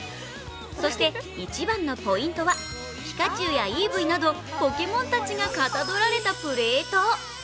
そして市場のポイントはピカチュウやイーブイなどポケモンたちがかたどられたプレート。